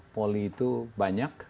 poly itu banyak